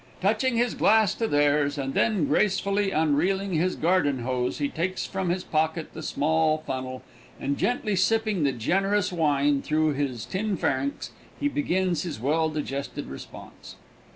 Touching his glass to theirs, and then gracefully unreeling his garden hose, he takes from his pocket the small funnel, and, gently sipping the generous wine through his tin pharynx, he begins his well digested response.